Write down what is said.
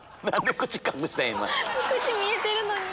口見えてるのに。